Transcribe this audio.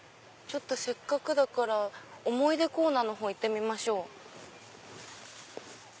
せっかくだから思い出コーナー行ってみましょう。